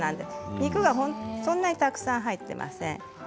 肉はそんなにたくさん入っていません。